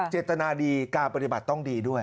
เจตนาดีการปฏิบัติต้องดีด้วย